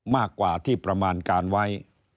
มากกว่าที่ประมาณการไว้